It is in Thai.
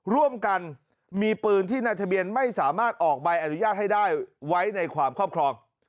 ร่วมกันมีปืนที่นายทะเบียนไม่สามารถออกใบอนุญาตให้ได้ไว้ในความครอบครอง